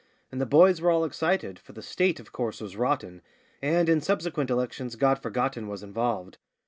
And the boys were all excited, for the State, of course, was 'rotten,' And, in subsequent elections, God Forgotten was involved.